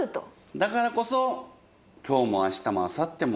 だからこそ今日も明日もあさっても。